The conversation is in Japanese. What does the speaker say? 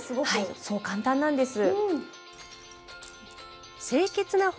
はいそう簡単なんです。